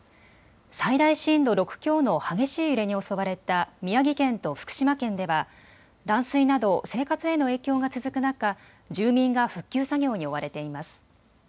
最大震度６強の激しい揺れに襲われた宮城県と福島県では断水など生活への影響が続く中、住民が復旧作業に追われています。